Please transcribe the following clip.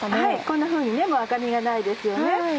こんなふうにもう赤身がないですよね。